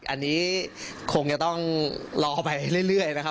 อันนี้คงจะต้องรอไปเรื่อยนะครับ